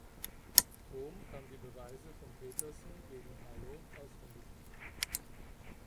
Thom kann die Beweise von Peterson gegen "Halo" ausfindig machen.